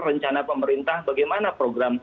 rencana pemerintah bagaimana program